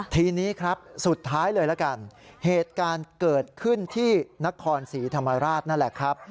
ทีนี้ครับสุดท้ายเลยละกันเหตุการณ์เกิดขึ้นที่นครศรีธรรมราชนั่นแหละครับ